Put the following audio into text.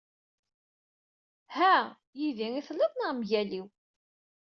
Ha yid-i i telliḍ neɣ mgal-iw.